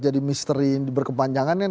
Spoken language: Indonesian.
jadi misteri berkepanjangan kan